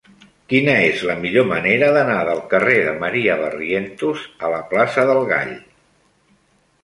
Quina és la millor manera d'anar del carrer de Maria Barrientos a la plaça del Gall?